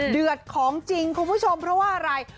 เดือดของจริงคุณผู้ชมเพราะว่าอะไร